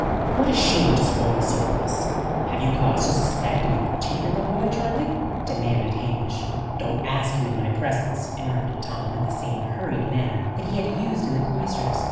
"What a shame to spoil a surplice! Have you cause to suspect any particular boy, Charley?" demanded Hamish. "Don't ask him in my presence," interrupted Tom in the same hurried manner that he had used in the cloisters.